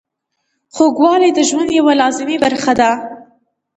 خوږوالی د ژوند یوه لازمي برخه ده.